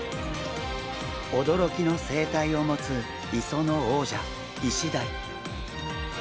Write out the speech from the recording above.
おどろきの生態を持つ磯の王者イシダイ。